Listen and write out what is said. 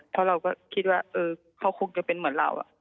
เพราะเราก็คิดว่าเขาคงจะเป็นเหมือนเรา